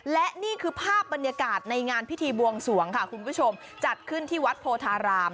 และนี่คือภาพบรรยากาศในงานพิธีบวงสวงค่ะคุณผู้ชมจัดขึ้นที่วัดโพธาราม